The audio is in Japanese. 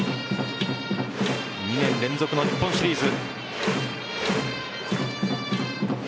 ２年連続の日本シリーズ。